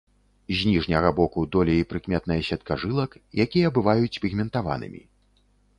З ніжняга боку долей прыкметная сетка жылак, якія бываюць пігментаванымі.